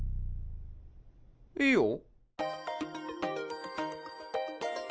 いいよ。